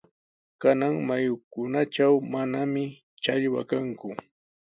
Kanan mayukunatraw mananami challwa kanku.